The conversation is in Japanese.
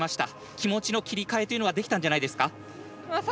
気持ちの切り替えというのはできたんじゃないですか？